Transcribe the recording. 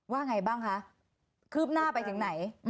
ว่าไงบ้างคะคืบหน้าไปถึงไหน